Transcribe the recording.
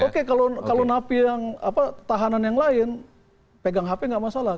oke kalau napi yang tahanan yang lain pegang hp nggak masalah